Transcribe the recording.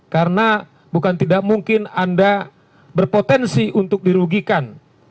karena bukan tidak mungkin anda berpotensi untuk dirugikan